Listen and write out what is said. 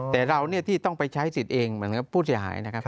แต่เราที่ต้องไปใช้สิทธิ์เองเหมือนกับผู้เสียหายนะครับ